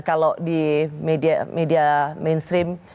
kalau di media mainstream